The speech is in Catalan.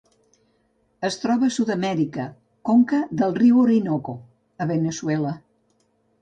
Es troba a Sud-amèrica: conca del riu Orinoco a Veneçuela.